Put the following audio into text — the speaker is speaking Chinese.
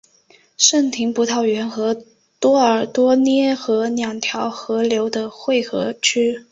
康廷葡萄园和多尔多涅河两条河流的汇合区。